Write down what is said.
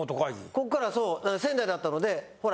こっからそう仙台だったのでほら